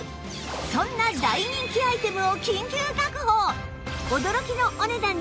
そんな大人気アイテムを緊急確保！